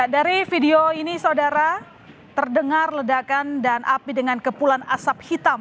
dari video ini saudara terdengar ledakan dan api dengan kepulan asap hitam